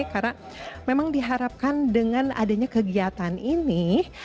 karena memang diharapkan dengan adanya kegiatan ini